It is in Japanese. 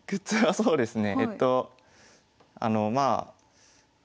そうですね。